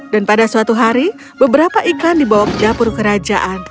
dan pada suatu hari beberapa ikan dibawa ke dapur kerajaan